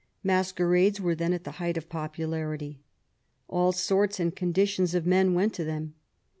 Masquerades were then at the height of popularity. All sorts and conditions of men went to them.